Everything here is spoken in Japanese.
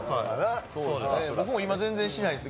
僕も全然しないです。